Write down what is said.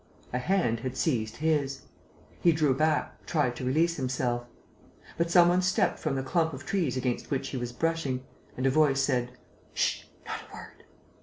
A hand had seized his. He drew back, tried to release himself. But some one stepped from the clump of trees against which he was brushing; and a voice said; "Ssh!... Not a word!..."